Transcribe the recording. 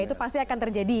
itu pasti akan terjadi